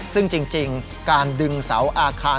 ซึ่งจริงการดึงเสาอาคาร